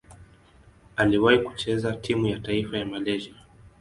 Aliwahi kucheza timu ya taifa ya Malaysia.